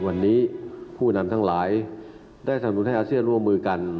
วันนี้ผู้นำทั้งหลายได้สนุนให้อาเซียนร่วมมือกัน